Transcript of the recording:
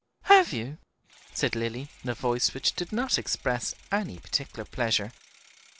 "Have you?" said Lilly, in a voice which did not express any particular pleasure.